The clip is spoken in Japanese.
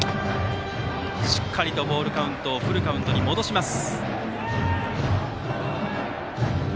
しっかりとボールカウントをフルカウントに戻します。